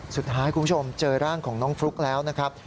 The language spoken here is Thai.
คุณผู้ชมเจอร่างของน้องฟลุ๊กแล้วนะครับ